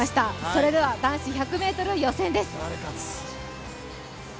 それでは男子１００ｍ予選です。